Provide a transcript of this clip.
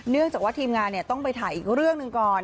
เนื่องจากว่าทีมงานเนี่ยต้องไปถ่ายอีกเรื่องหนึ่งก่อน